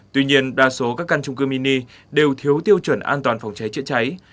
tuy nhiên đa số các căn trung cư mini đều thiếu tiêu chuẩn an toàn phòng cháy chữa cháy